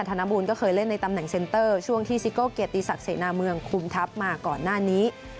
นบูลก็เคยเล่นในตำแหน่งเซ็นเตอร์ช่วงที่ซิโก้เกียรติศักดิเสนาเมืองคุมทัพมาก่อนหน้านี้